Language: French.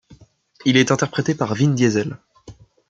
Il est interprété par Vin Diesel.